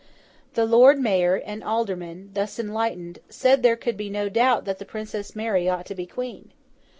The Lord Mayor and aldermen, thus enlightened, said there could be no doubt that the Princess Mary ought to be Queen.